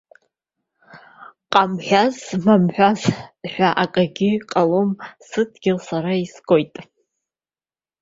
Ҟамхәазмамхәаз ҳәа акгьы ҟалом, сыдгьыл сара изгоит.